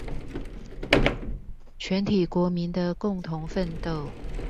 全體國民的共同奮鬥